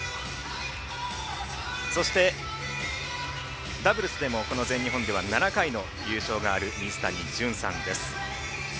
そして、ダブルスでもこの全日本は７回の優勝がある水谷隼さんです。